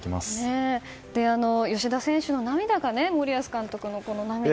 吉田選手の涙が森保監督の涙に。